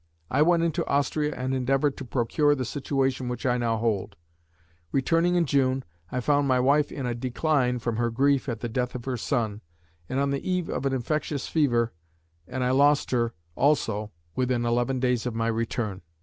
I went into Austria and endeavoured to procure the situation which I now hold. Returning in June, I found my wife in a decline from her grief at the death of her son, and on the eve of an infectious fever, and I lost her also within eleven days of my return.